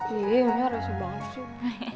wih ini resip banget sih